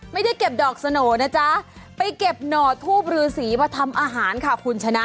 ไม่ได้เก็บดอกสโหน่นะจ๊ะไปเก็บหน่อทูบรือสีมาทำอาหารค่ะคุณชนะ